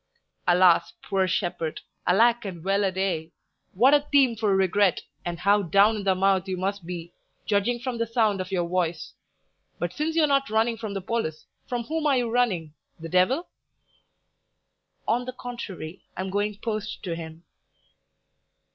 "Alas, poor shepherd! Alack and well a day! What a theme for regret, and how down in the mouth you must be, judging from the sound of your voice! But since you're not running from the police, from whom are you running? the devil?" "On the contrary, I am going post to him."